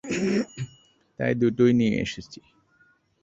তাই দুটোই নিয়ে এসেছি।